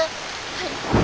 はい。